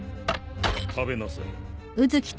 食べなさい。